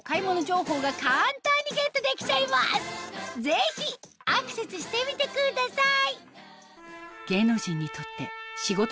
ぜひアクセスしてみてください